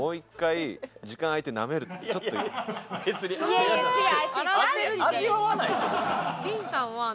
いやいや違う。